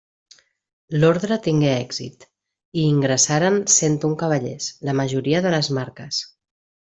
L'orde tingué èxit, i ingressaren cent un cavallers, la majoria de les Marques.